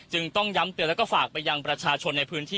ต้องย้ำเตือนแล้วก็ฝากไปยังประชาชนในพื้นที่